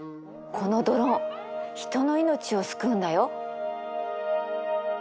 このドローン人の命を救うんだよ。